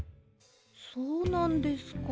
そうなんですか。